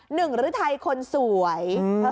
หนึ่งฤทธิ์คนสวย